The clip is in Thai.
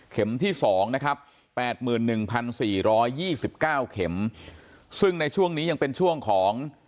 เข็มที่๒๘๑๔๒๙เข็มซึ่งในช่วงนี้ยังเป็นช่วงของ